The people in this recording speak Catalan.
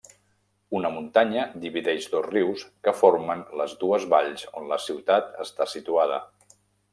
Una muntanya divideix dos rius que formen les dues valls on la ciutat està situada.